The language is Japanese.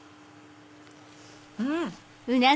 うん！